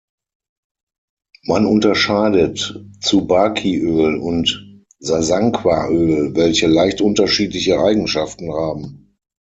Man unterscheidet "Tsubaki-Öl" und "Sasanqua-Öl", welche leicht unterschiedliche Eigenschaften haben.